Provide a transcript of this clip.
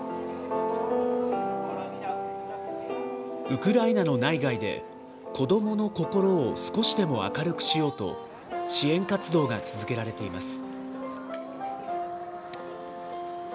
ウクライナの内外で、子どもの心を少しでも明るくしようと、支援活動が続けられています。